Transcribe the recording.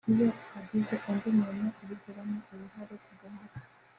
Iyo hagize undi muntu ubigiramo uruhare ku gahato